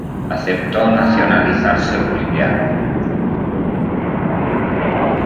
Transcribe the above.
Aceptó nacionalizarse boliviano.